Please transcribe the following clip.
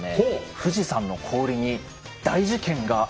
富士山の氷に大事件が起こりました。